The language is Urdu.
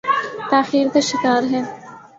تاخیر کا شکار ہے۔